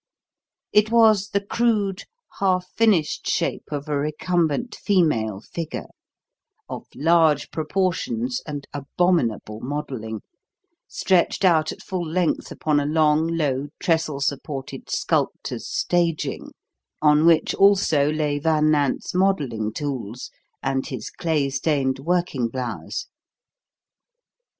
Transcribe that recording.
It was the crude, half finished shape of a recumbent female figure, of large proportions and abominable modelling, stretched out at full length upon a long, low, trestle supported "sculptor's staging," on which also lay Van Nant's modelling tools and his clay stained working blouse.